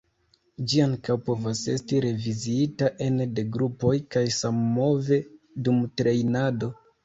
Ĝi ankaŭ povas esti reviziita ene de grupoj kaj sammove dum trejnado.